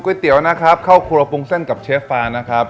เตี๋ยวนะครับเข้าครัวปรุงเส้นกับเชฟฟานะครับ